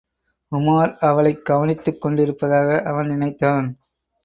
உமார் அவளைக் கவனித்துக் கொண்டிருப்பதாக அவன் நினைத்தான்.